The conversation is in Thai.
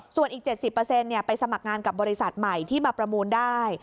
ส่วนอีก๗๐ไปสมัครงานกับบริษัทใหม่ที่มาประมูลได้